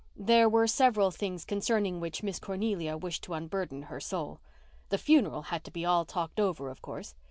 There were several things concerning which Miss Cornelia wished to unburden her soul. The funeral had to be all talked over, of course.